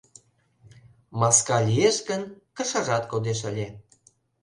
— Маска лиеш гын, кышажат кодеш ыле.